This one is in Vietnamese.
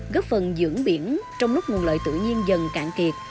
góp phần dưỡng biển trong lúc nguồn lợi tự nhiên dần cạn kiệt